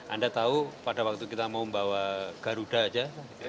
anda tahu pada waktu kita mau membawa garuda aja